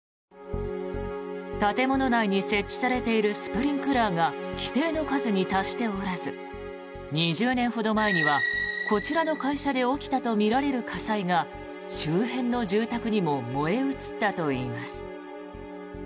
建物内に設置されているスプリンクラーが規定の数に達しておらず２０年ほど前にはこちらの会社で起きたとみられる火災が周辺の住宅にも燃え移ったといいます。